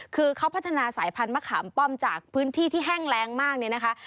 คือเขาพัฒนาสายพันธุมะขามป้อมจากพื้นที่ที่แห้งแรงมากเนี่ยนะคะ